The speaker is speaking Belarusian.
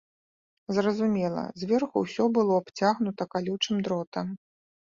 Зразумела, зверху ўсё было абцягнута калючым дротам.